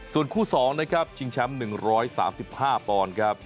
ส่วนคู่๒นะครับชิงแชมป์๑๓๕ปอนด์ครับ